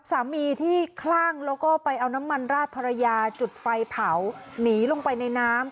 สามีที่คลั่งแล้วก็ไปเอาน้ำมันราดภรรยาจุดไฟเผาหนีลงไปในน้ำ